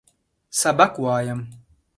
سبق وایم.